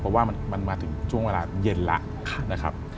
เพราะว่ามันมาถึงช่วงเวลาเย็นแล้วนะครับ